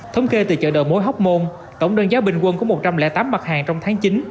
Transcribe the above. thống kê từ chợ đầu mối hóc môn tổng đơn giá bình quân của một trăm linh tám mặt hàng trong tháng chín